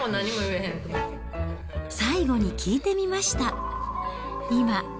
最後に聞いてみました。